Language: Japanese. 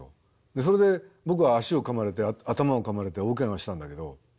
それで僕は足をかまれて頭をかまれて大ケガをしたんだけど。